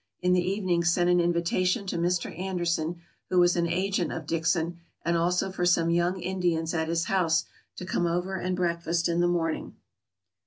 In the evening sent an invitation to Mr. Anderson, who was an agent of Dickson, and also for some young Indians at his house, to come over and breakfast in the morning.